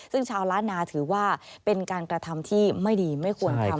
ซึ่งชาวล้านนาถือว่าเป็นการกระทำที่ไม่ดีไม่ควรทำ